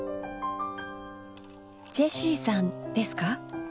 ジェシィさんですか？